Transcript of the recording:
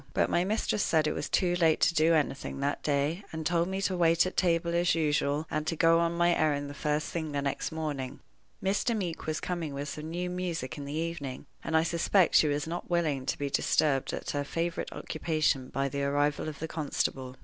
But my mistress said it was too late to do anything that day, and told me to wait at table as usual, and to go on my errand the first thing the next morning. Mr. Meeke was coming with some new music in the evening, and I suspect she was not willing to be disturbed at her favorite occupation by the arrival of the constable.